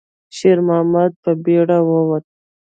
شېرمحمد په بیړه ووت.